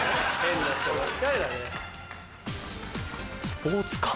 スポーツ館。